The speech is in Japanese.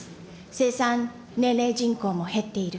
生産年齢人口も減っている。